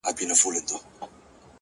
د موخې ثبات د لارې سختي کموي؛